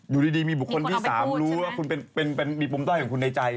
อยู่ดีมีบุคคลที่๓รู้ว่าคุณมีปมด้อยของคุณในใจ